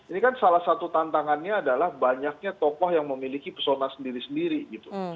ini kan salah satu tantangannya adalah banyaknya tokoh yang memiliki persona sendiri sendiri gitu